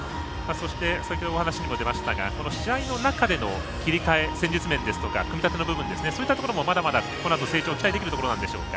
そして、先ほどお話にも出ましたが試合の中での切り替え、戦術面ですとかそういったところも、まだまだ成長期待できますか？